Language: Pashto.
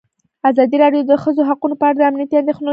ازادي راډیو د د ښځو حقونه په اړه د امنیتي اندېښنو یادونه کړې.